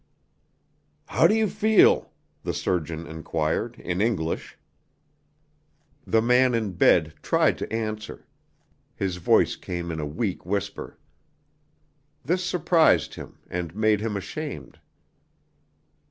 "How do you feel?" the surgeon enquired, in English. The man in bed tried to answer. His voice came in a weak whisper. This surprised him, and made him ashamed.